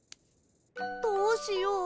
どうしよう